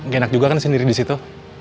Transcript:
gak enak juga kan sendiri disitu